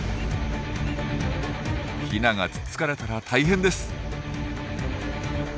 ヒナがつつかれたら大変です。